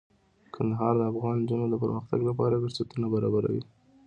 کندهار د افغان نجونو د پرمختګ لپاره فرصتونه برابروي.